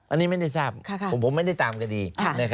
อันนี้ไม่ได้ทราบผมไม่ได้ตามคดี